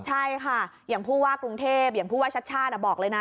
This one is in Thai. ใช่ค่ะอย่างผู้ว่ากรุงเทพอย่างผู้ว่าชัดชาติบอกเลยนะ